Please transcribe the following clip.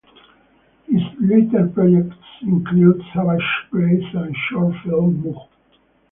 His later projects included Savage Grace and short film "Moog".